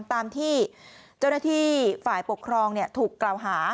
ตามที่เจ้าหน้าที่ฝ่ายปกครองถูกกล่าวหา